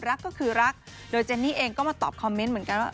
รักก็คือรักโดยเจนนี่เองก็มาตอบคอมเมนต์เหมือนกันว่า